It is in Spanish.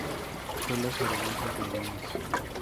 Suelos arenosos de dunas.